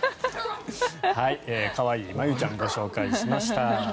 可愛いまゆちゃんご紹介しました。